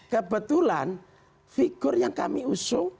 kebetulan figur yang kami usung